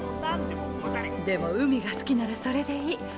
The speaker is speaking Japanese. でも海が好きならそれでいい。